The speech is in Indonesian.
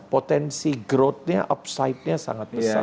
potensi growthnya upside nya sangat besar